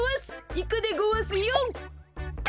いくでごわすよ！